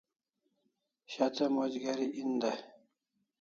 Shat'e moch geri en dai